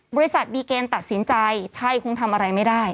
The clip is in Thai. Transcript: บริษัทมีเกณฑ์ตัดสินใจไทยคงทำอะไรไม่ได้